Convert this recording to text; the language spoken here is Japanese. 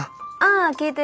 あ聞いてる。